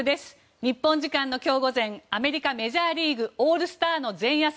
日本時間の今日午前アメリカ、メジャーリーグオールスターの前夜祭